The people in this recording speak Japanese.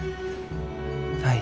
はい。